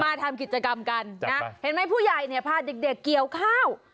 ทำกิจกรรมกันนะเห็นไหมผู้ใหญ่เนี่ยพาเด็กเกี่ยวข้าว